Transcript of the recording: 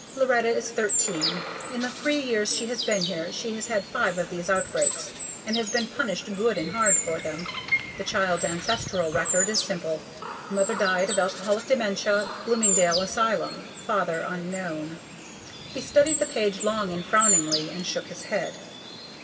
Loretta is thirteen; in the three years she has been here she has had five of these outbreaks, and has been punished good and hard for them. The child's ancestral record is simple: "Mother died of alcoholic dementia, Bloomingdale Asylum. Father unknown." He studied the page long and frowningly and shook his head.